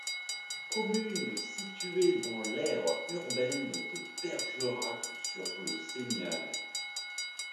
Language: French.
Commune située dans l'aire urbaine de Bergerac sur le Seignal.